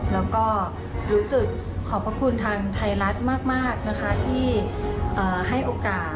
แล้วก็รู้สึกขอบพระคุณทางไทยรัฐมากนะคะที่ให้โอกาส